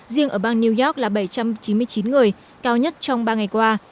riêng ở bang new york là bảy trăm chín mươi chín người cao nhất trong ba ngày qua